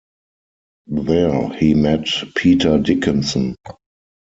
There he met Peter Dickinson.